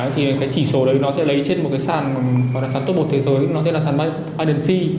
thì cái chỉ số đấy nó sẽ lấy trên một cái sàn gọi là sàn tốt bột thế giới nó tên là sàn binance